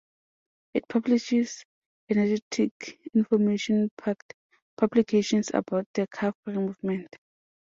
It publishes "energetic, information-packed" publications about the car-free movement.